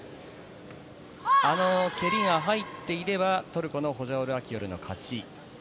蹴りが入っていればトルコのホジャオール・アキヨルの勝ち。